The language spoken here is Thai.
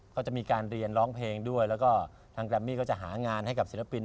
ก็จะมีการเรียนร้องเพลงด้วยแล้วก็ทางแกรมมี่ก็จะหางานให้กับศิลปิน